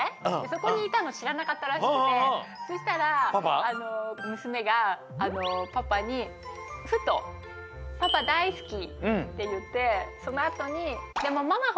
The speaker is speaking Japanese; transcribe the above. そこにいたのしらなかったらしくてそしたらむすめがパパにふと「パパ大好き」っていってそのあとに「でもママほどじゃないけどね」